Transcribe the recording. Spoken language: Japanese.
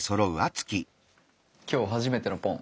今日初めてのポン！